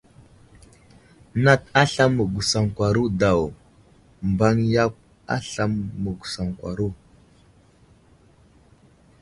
Nat aslam məgwəsaŋkwaro daw, mbaŋ yakw aslam məgwəsaŋkwaro.